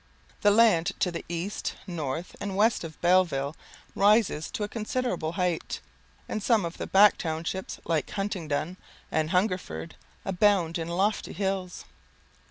The land to the east, north, and west of Belleville, rises to a considerable height, and some of the back townships, like Huntingdon and Hungerford, abound in lofty hills.